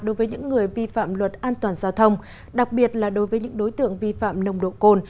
đối với những người vi phạm luật an toàn giao thông đặc biệt là đối với những đối tượng vi phạm nồng độ cồn